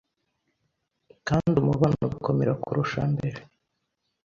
kandi umubano ugakomera kurusha mbere